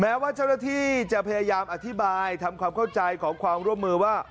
แม้ว่าเจ้าหน้าที่จะพยายามอธิบายทำความเข้าใจขอความร่วมมือว่า